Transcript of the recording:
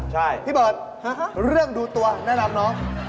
ใช่พี่เบิร์ตเรื่องดูตัวแนะนำน้อง